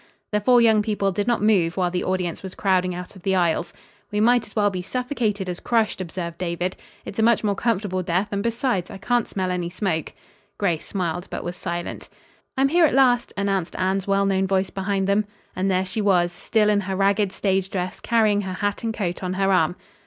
The four young people did not move while the audience was crowding out of the aisles. "We might as well be suffocated as crushed," observed David. "It's a much more comfortable death, and besides I can't smell any smoke." Grace smiled but was silent. "I'm here at last," announced Anne's well known voice behind them. And there she was, still in her ragged stage dress, carrying her hat and coat on her arm.